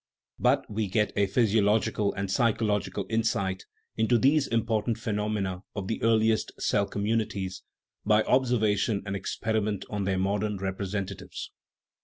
But we get a physiological and psychological insight into these important phenomena of the earliest cell communities by observation and experiment on their modern representatives.